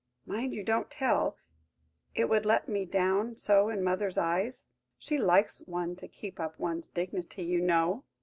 Mind you don't tell–it would let me down so in mother's eyes. She likes one to keep up one's dignity, you know."